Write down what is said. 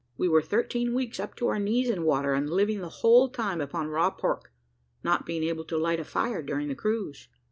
We were thirteen weeks up to our knees in water, and living the whole time upon raw pork not being able to light a fire during the cruise."